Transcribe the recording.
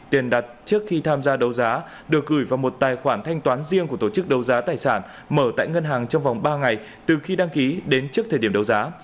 tiền đặt trước khi tham gia đấu giá được gửi vào một tài khoản thanh toán riêng của tổ chức đấu giá tài sản mở tại ngân hàng trong vòng ba ngày từ khi đăng ký đến trước thời điểm đấu giá